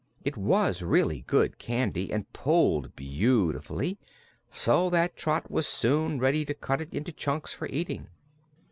It was really good candy and pulled beautifully, so that Trot was soon ready to cut it into chunks for eating.